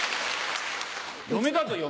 嫁だぞ嫁。